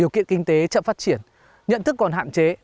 kinh tế chậm phát triển nhận thức còn hạn chế